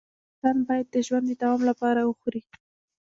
انسان باید د ژوند د دوام لپاره وخوري